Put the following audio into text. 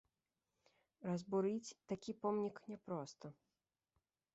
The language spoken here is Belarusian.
Разбурыць такі помнік няпроста.